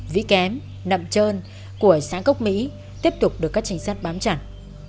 vĩ kém nậm trơn của sáng cốc mỹ tiếp tục được các tránh sát bám chặt